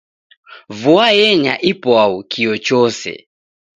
Vua yenya ipwau, kio chose